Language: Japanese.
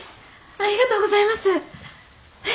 ありがとうございます。